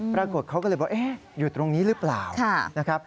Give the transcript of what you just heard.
ปรากฏเขาก็เลยบอกอยู่ตรงนี้หรือเปล่านะครับ